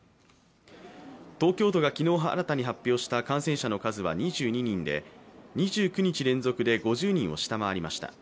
東京都が昨日新たに発表した感染者の数は２２人で２９日連続で５０人を下回りしまた。